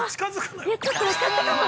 ◆ちょっと分かったかも。